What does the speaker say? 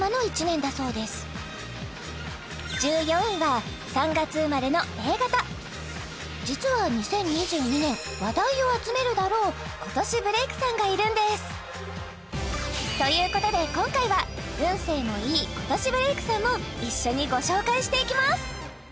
１５位は実は２０２２年話題を集めるだろう今年ブレイクさんがいるんですということで今回は運勢のいい今年ブレイクさんも一緒にご紹介していきます